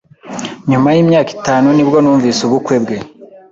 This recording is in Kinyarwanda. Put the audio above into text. Nyuma yimyaka itanu nibwo numvise ubukwe bwe.